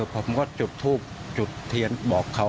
ผมก็จุดทูบจุดเทียนบอกเขา